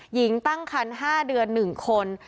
หญิงตั้งคัน๕เดือน๑คน